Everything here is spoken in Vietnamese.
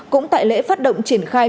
cũng tại lễ phát động triển khai